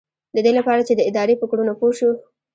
ددې لپاره چې د ادارې په کړنو پوه شو.